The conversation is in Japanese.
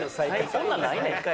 そんなんないねん。